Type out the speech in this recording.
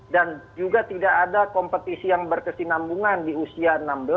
dan juga tidak ada kompetisi yang berkesinambungan di usia enam belas tujuh belas delapan belas sembilan belas